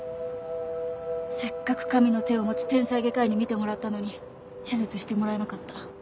せっかく神の手を持つ天才外科医に診てもらったのに手術してもらえなかった。